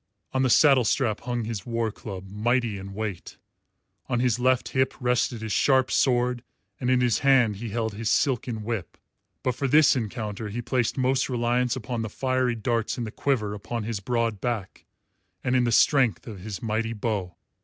On the saddle strap hung his war club, mighty in weight; on his left hip rested his sharp sword and in his hand he held his silken whip; but for this encounter he placed most reliance upon the fiery darts in the quiver upon his broad back and in the strength of his mighty bow.